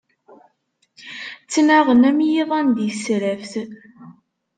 Ttnaɣen am yiḍan di tesraft.